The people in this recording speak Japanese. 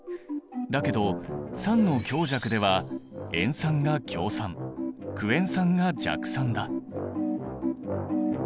だけど酸の強弱では塩酸が強酸クエン酸が弱酸だ。